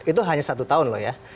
itu hanya satu tahun loh ya